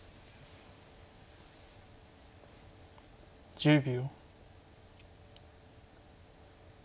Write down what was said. １０秒。